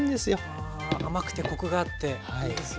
あ甘くてコクがあっていいですよね。